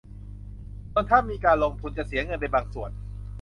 ส่วนถ้ามีการลงทุนจะเสียเงินเป็นบางส่วน